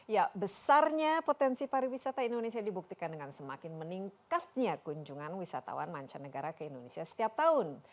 ya besarnya potensi pariwisata indonesia dibuktikan dengan semakin meningkatnya kunjungan wisatawan mancanegara ke indonesia setiap tahun